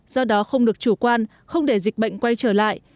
do đó không được chủ quan không để dịch bệnh quay trở lại